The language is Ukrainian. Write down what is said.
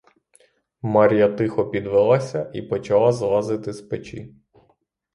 Мар'я тихо підвелася і почала злазити з печі.